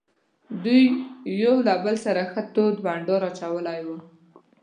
دوی یو له بل سره ښه تود بانډار اچولی وو.